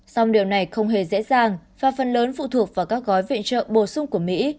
song điều này không hề dễ dàng và phần lớn phụ thuộc vào các gói viện trợ bổ sung của mỹ